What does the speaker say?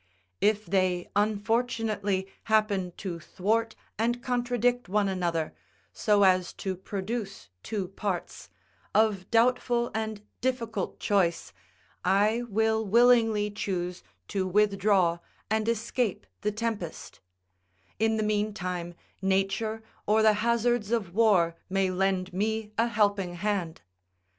If they unfortunately happen to thwart and contradict one another, so as to produce two parts, of doubtful and difficult choice, I will willingly choose to withdraw and escape the tempest; in the meantime nature or the hazards of war may lend me a helping hand.